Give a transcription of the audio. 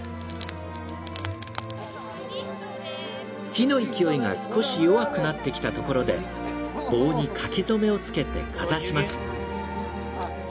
火の勢いが少し弱くなってきたところで棒に書き初めを付けてかざします。